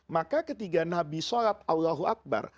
maka ketika nabi solat allahu akbar